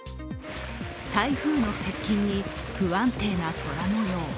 台風の接近に、不安定な空もよう。